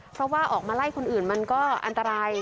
เพราะว่าออกมาไล่คนอื่นมันก็อันตราย